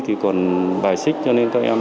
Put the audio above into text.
thì còn bài xích cho nên các em